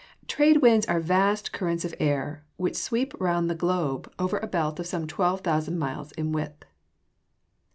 _ Trade winds are vast currents of air, which sweep round the globe over a belt of some 12,000 miles in width.